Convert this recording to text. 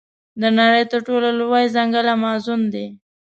د نړۍ تر ټولو لوی ځنګل امازون دی.